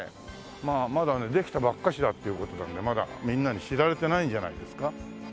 まあまだできたばっかりだっていう事なんでまだみんなに知られてないんじゃないですか？